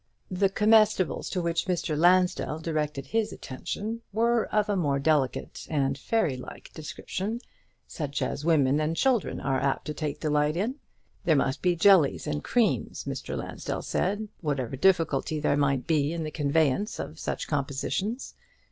The comestibles to which Mr. Lansdell directed his attention were of a more delicate and fairy like description, such as women and children are apt to take delight in. There must be jellies and creams, Mr. Lansdell said, whatever difficulty there might be in the conveyance of such compositions.